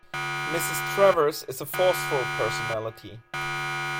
Mrs. Travers is a forceful personality.